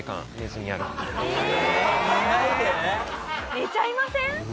寝ちゃいません？